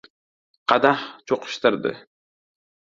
Qadah cho‘qishtirdi.